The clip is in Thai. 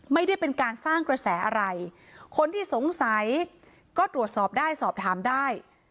ไม่ได้เป็นการสร้างกระแสอะไรคนที่สงสัยก็ตรวจสอบได้สอบถามได้